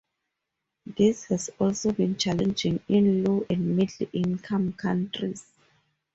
This has also been challenging in low and middle income countries.